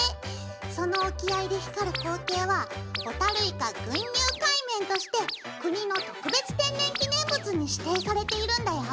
その沖合で光る光景は「ホタルイカ郡遊海面」として国の特別天然記念物に指定されているんだよ。